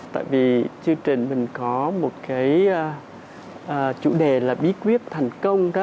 tại vì chương trình mình có một cái chủ đề là bí quyết thành công